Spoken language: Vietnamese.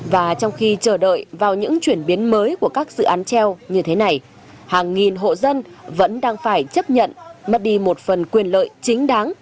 và trong khi chờ đợi vào những chuyển biến mới của các dự án treo như thế này hàng nghìn hộ dân vẫn đang phải chấp nhận mất đi một phần quyền lợi chính đáng